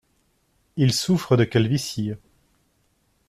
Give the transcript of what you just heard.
Il souffre de calvitie.